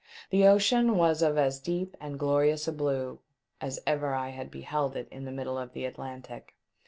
The ocean was of as deep and glorious a blue as ever I had beheld it in the middle of the Atlantic.